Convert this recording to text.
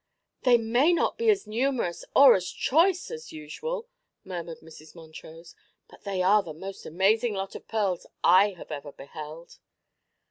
"They may not be as numerous or as choice 'as usual,'" murmured Mrs. Montrose, "but they are the most amazing lot of pearls I have ever beheld."